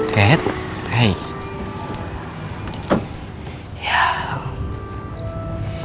kita udah sampai